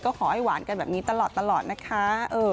ก็ขอให้หวานกันแบบนี้ตลอดนะคะ